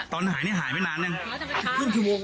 ตอนหายนี่หายไปนานยัง